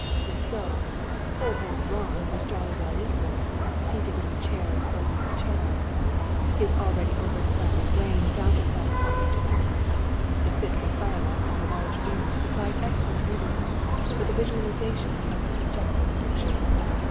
If so, poor old Ron was jolly well in for it, seated in the chair, and holding the 'cello. His already over excited brain found itself caught between them. The fitful firelight and the large mirror supplied excellent mediums for the visualisation of the subjective picture.